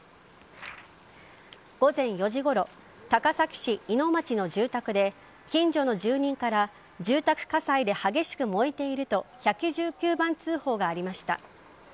午前４時ごろ高崎市井野町の住宅で近所の住人から住宅火災で激しく燃えていると１１９番通報がありました。